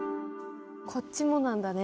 こっちもなんだね。